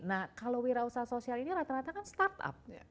nah kalau wira usaha sosial ini rata rata kan startup